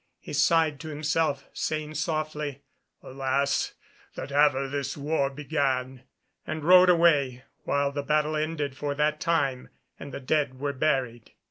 He sighed to himself, saying softly, "Alas! that ever this war began," and rode away, while the battle ended for that time and the dead were buried.